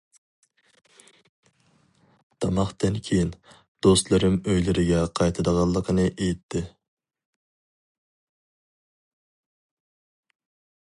تاماقتىن كىيىن، دوستلىرىم ئۆيلىرىگە قايتىدىغانلىقىنى ئېيتتى.